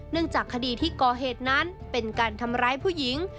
จากคดีที่ก่อเหตุนั้นเป็นการทำร้ายผู้หญิง